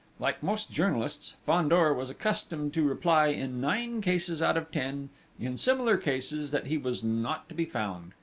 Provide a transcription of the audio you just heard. Like most journalists, Fandor was accustomed to reply in nine cases out of ten, in similar cases, that he was not to be found.